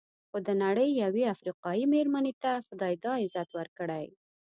خو د نړۍ یوې افریقایي مېرمنې ته خدای دا عزت ورکړی.